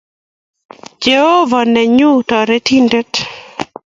Jehovah neng’ung’ torornatet